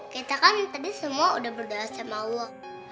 kita kan tadi semua udah berdoa sama allah